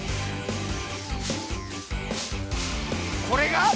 これが！